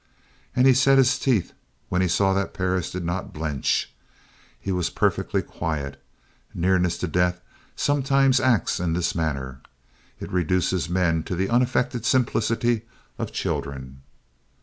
And he set his teeth when he saw that Perris did not blench. He was perfectly quiet. Nearness to death sometimes acts in this manner. It reduces men to the unaffected simplicity of children.